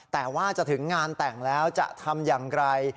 แต่ว่าจะถึงงานแต่งแล้วจะทำอย่างไร